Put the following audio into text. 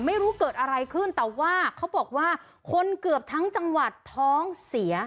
ไม่รู้เกิดอะไรขึ้นแต่ว่าเขาบอกว่าคนเกือบทั้งจังหวัดท้องเสีย